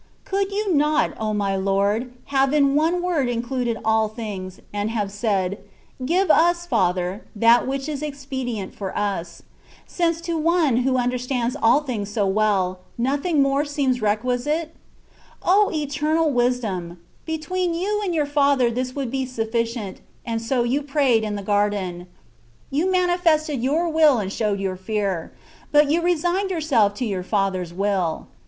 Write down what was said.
Could you not, O my Lord! have in one word included all things, and have said: " Give us. Father, that which is expedient for us,^' since to one who understands all things so well, nothing more seems requisite ? O Eternal Wisdom ! be tween You and Your Father this would be suffi cient, and so You prayed in the garden: YoU manifested Your will and showed Your fear : but You resigned Yourself to your Father^s will.